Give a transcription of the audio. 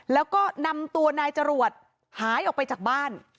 แล้วก็นำตัวนายจรวดหายออกไปจากบ้าน